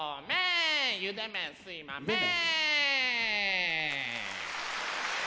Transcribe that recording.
「ゆで麺すいまめん！」